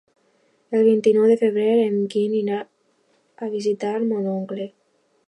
El vint-i-nou de febrer en Quim irà a visitar mon oncle.